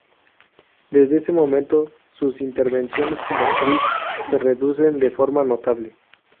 Desde ese momento, sus intervenciones como actriz se reducen de forma notable.